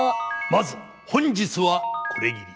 まず本日はこれぎり。